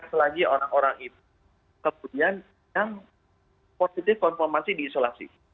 di test lagi orang orang itu kemudian yang positif konflimasi diisolasi